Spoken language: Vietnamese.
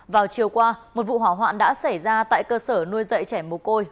vào chiều qua một vụ hỏa hoạn đã xảy ra tại cơ sở nuôi dạy trẻ mồ côi